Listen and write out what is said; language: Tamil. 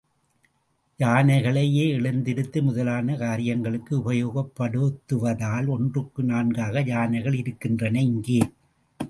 யானைகளையே எழுந்திருத்து முதலான காரியங்களுக்கு உபயோகப் படுத்துவதால் ஒன்றுக்கு நான்காக யானைகள் இருக்கின்றன இங்கே.